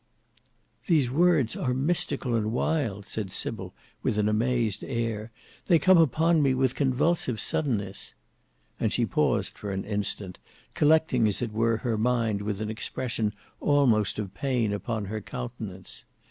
"These words are mystical and wild," said Sybil with an amazed air; "they come upon me with convulsive suddenness." And she paused for an instant, collecting as it were her mind with an expression almost of pain upon her countenance.